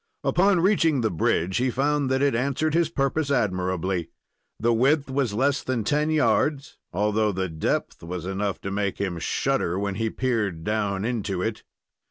Upon reaching the bridge, he found that it answered his purpose admirably. The width was less than ten yards, although the depth was enough to make him shudder, when he peered down into it.